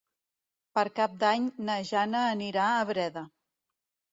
Per Cap d'Any na Jana anirà a Breda.